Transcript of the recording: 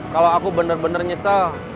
kalau aku bener bener nyesel